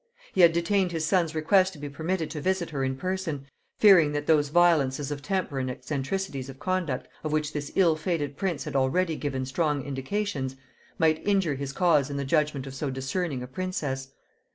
He had denied his son's request to be permitted to visit her in person, fearing that those violences of temper and eccentricities of conduct of which this ill fated prince had already given strong indications, might injure his cause in the judgement of so discerning a princess.